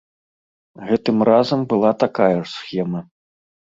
Гэтым разам была такая ж схема.